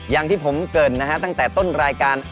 อย่างที่ผมเกิดนะฮะตั้งแต่ต้นรายการ